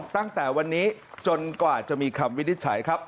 ตั้งแต่วันนี้จนกว่าจะมีคำวินิจฉัยครับ